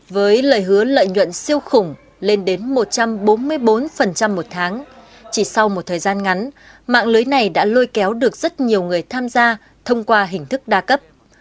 với lời hứa lợi nhuận siêu khủng lên đến một trăm bốn mươi bốn một tháng chỉ sau một thời gian ngắn mạng lưới này đã lôi kéo được rất nhiều người tham gia thông qua hình thức đa cấp